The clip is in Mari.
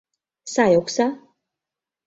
Сай окса.